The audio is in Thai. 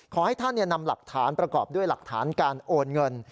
ขอให้ท่านนำหลักฐานประกอบด้วยหลักฐานการโอนเงิน